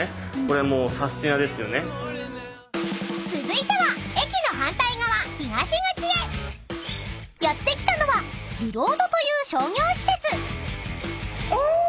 ［続いては駅の反対側東口へ］［やって来たのはｒｅｌｏａｄという商業施設］